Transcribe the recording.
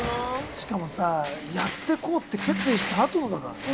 しかもさやっていこうって決意したあとのだからね。